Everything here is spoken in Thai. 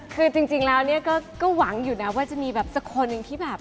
คือจริงแล้วเนี่ยก็หวังอยู่นะว่าจะมีแบบสักคนหนึ่งที่แบบ